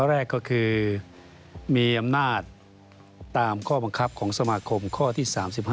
แรกก็คือมีอำนาจตามข้อบังคับของสมาคมข้อที่๓๕